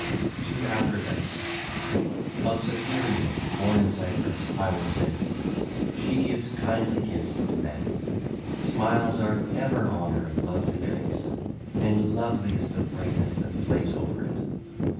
X. TO APHRODITE (ll. 1 3) Of Cytherea, born in Cyprus, I will sing. She gives kindly gifts to men: smiles are ever on her lovely face, and lovely is the brightness that plays over it.